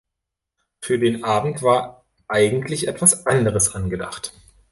Für den Abend war eigentlich etwas anderes angedacht.